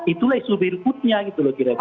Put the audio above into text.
itulah so berikutnya gitu loh kira kira